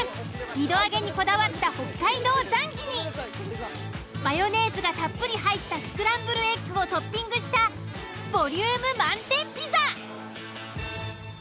２度揚げにこだわった北海道ザンギにマヨネーズがたっぷり入ったスクランブルエッグをトッピングしたボリューム満点ピザ。